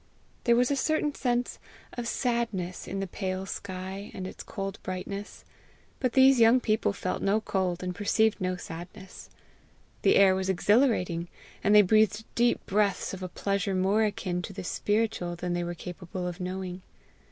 There was a certain sense of sadness in the pale sky and its cold brightness; but these young people felt no cold, and perceived no sadness. The air was exhilarating, and they breathed deep breaths of a pleasure more akin to the spiritual than they were capable of knowing.